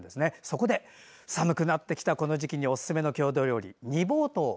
そこで寒くなってきたこの時期におすすめの郷土料理、煮ぼうとう。